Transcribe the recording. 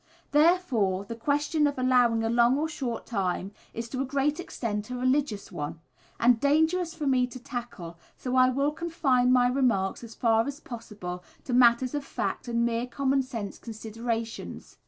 Therefore, the question of allowing a long or short time is to a great extent a religious one, and dangerous for me to tackle, so I will confine my remarks as far as possible to matters of fact and mere common sense considerations.